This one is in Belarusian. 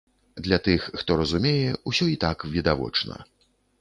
Для тых, хто разумее, усё і так відавочна.